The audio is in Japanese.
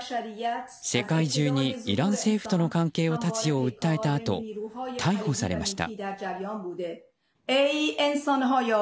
世界中にイラン政府との関係を断つよう訴えたあと逮捕されました。